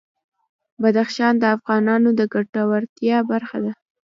بدخشان د افغانانو د ګټورتیا برخه ده.